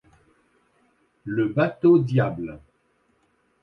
Le bateau-diable